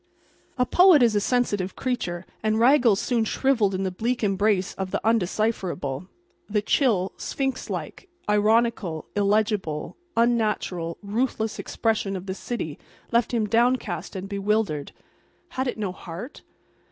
A poet is a sensitive creature, and Raggles soon shrivelled in the bleak embrace of the undecipherable. The chill, sphinx like, ironical, illegible, unnatural, ruthless expression of the city left him downcast and bewildered. Had it no heart?